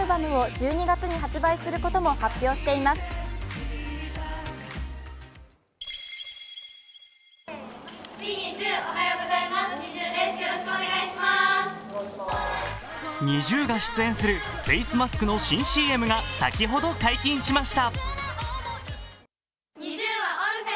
ＮｉｚｉＵが出演するフェイスマスクの新ＣＭが先ほど解禁しました。